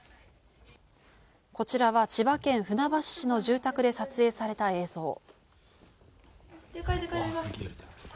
こちらは千葉県船橋市の住宅で撮影された映像。